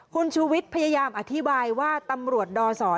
คุณชูวิทย์พยายามอธิบายว่าตำรวจดศ